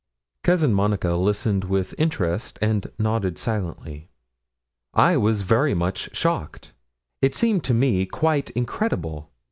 Cousin Monica listened with interest, and nodded silently. I was very much shocked. It seemed to me quite incredible.